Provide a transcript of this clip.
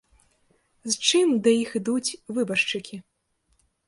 З чым да іх ідуць выбаршчыкі?